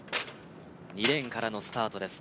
２レーンからのスタートです